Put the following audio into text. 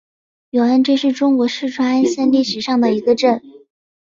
永安镇是中国四川安县历史上的一个镇。